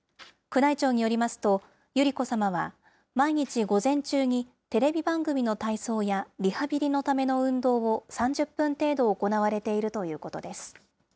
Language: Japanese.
宮内庁によりますと、百合子さまは毎日午前中に、テレビ番組の体操やリハビリのための運動を３０分程度行われているということです。